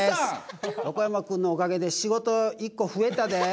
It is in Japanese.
横山君のおかげで仕事１個、増えたで。